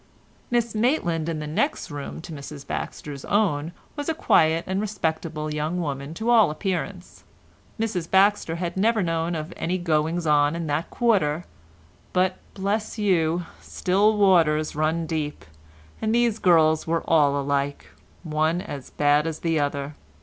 Miss Maitland in the next room to Mrs Baxter's own was a quiet and respectable young woman to all appearance; Mrs Baxter had never known of any goings on in that quarter, but, bless you, still waters run deep, and these girls were all alike, one as bad as the other.